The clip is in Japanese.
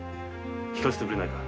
聞かせてくれないか。